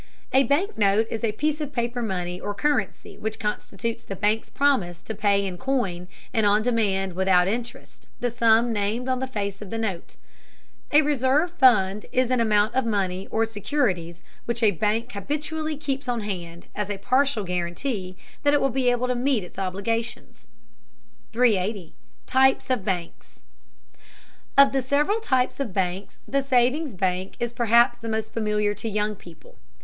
A bank note is a piece of paper money or currency which constitutes the bank's promise to pay in coin and on demand without interest, the sum named on the face of the note. A reserve fund is an amount of money or securities which a bank habitually keeps on hand as a partial guarantee that it will be able to meet its obligations. 380. TYPES OF BANKS. Of the several types of banks, the savings bank is perhaps the most familiar to young people.